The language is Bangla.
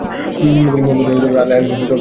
তিনি মুহাম্মদ আলি ও আলির প্রথম স্ত্রীর সন্তান।